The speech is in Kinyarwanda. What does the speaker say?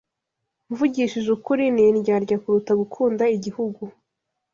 Mvugishije ukuri, ni indyarya kuruta gukunda igihugu.